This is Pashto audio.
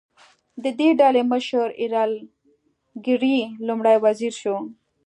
د دې ډلې مشر ایرل ګرې لومړی وزیر شو.